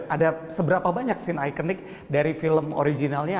ada seberapa banyak scene ikonik dari film originalnya